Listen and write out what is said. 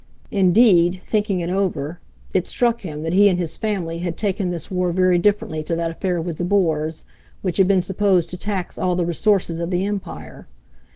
Indeed, thinking it over, it struck him that he and his family had taken this war very differently to that affair with the Boers, which had been supposed to tax all the resources of the Empire.